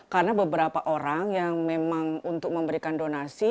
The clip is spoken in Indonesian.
karena beberapa orang yang memang untuk memberikan donasi